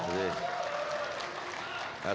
assalamu'alaikum warahmatullahi wabarakatuh